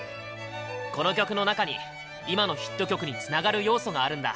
この曲の中に今のヒット曲につながる要素があるんだ。